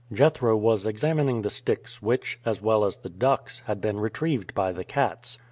Jethro was examining the sticks which, as well as the ducks, had been retrieved by the cats.